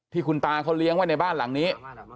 ที่คุณตาเขาเลี้ยงไว้ในบ้านหลังนี้